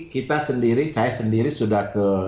kita sendiri saya sendiri sudah ke